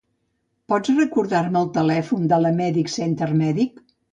Pots recordar-me el telèfon de l'Amedics Centre Mèdic?